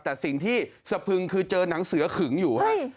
แต่สิ่งที่สะพึงคือเจอหนังเสือขึงอยู่ฮะ